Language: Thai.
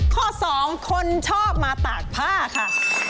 ข้อสองคนชอบมาตากผ้าค่ะ